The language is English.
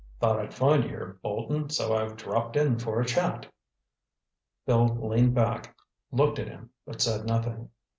"Thought I'd find you here, Bolton, so I've dropped in for a chat." Bill leaned back, looking at him, but said nothing.